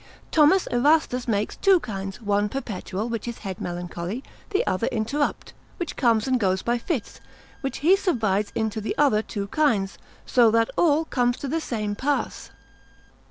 Th. Erastus makes two kinds; one perpetual, which is head melancholy; the other interrupt, which comes and goes by fits, which he subdivides into the other two kinds, so that all comes to the same pass.